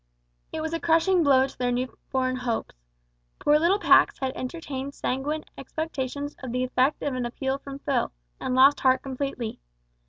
It was a crushing blow to their new born hopes. Poor little Pax had entertained sanguine expectations of the effect of an appeal from Phil, and lost heart completely.